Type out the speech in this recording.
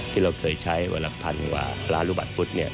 ที่เราเคยใช้เวลาพันธุ์หรือว่าร้านลูกบัตรฟุตเนี่ย